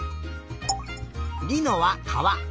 りのはかわ。